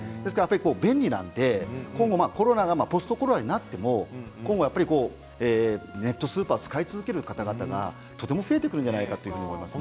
便利なので今後ポストコロナになっても、今後ネットスーパーを使い続ける方々がとても増えてくるんじゃないかと思いますね。